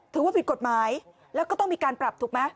ถือว่าผิดกฎหมายแล้วก็ต้องมีการปรับถูกไหม